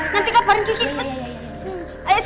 nanti kaparin kiki cepet